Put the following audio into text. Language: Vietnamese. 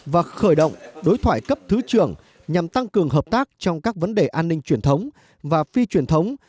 và khởi động đối thoại cấp thứ trưởng nhằm tăng cường hợp tác trong các vấn đề an ninh truyền thống và phi truyền thống